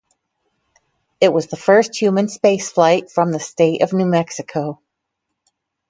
It was the first human spaceflight from the state of New Mexico.